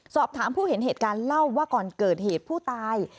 สอบถามผู้เห็นเหตุการณ์เล่าว่าก่อนเกิดเหตุผู้ตาย